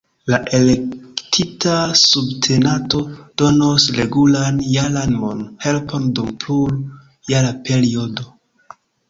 La elektita subtenanto donos regulan jaran mon-helpon dum plur-jara periodo.